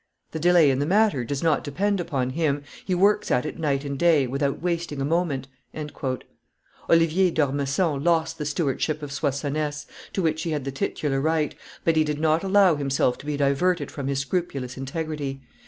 The delay in the matter does not depend upon him; he works at it night and day, without wasting a moment." Oliver d'Ormesson lost the stewardship of Soissonness, to which he had the titular right, but he did not allow himself to be diverted from his scrupulous integrity.